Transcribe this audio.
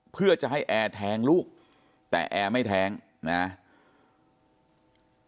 เพื่อจะให้แอแทงลูกแต่แอไม่แทงนะฮะ